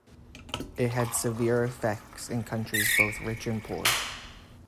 It had severe effects in countries both rich and poor.